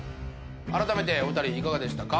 あらためてお二人いかがでしたか？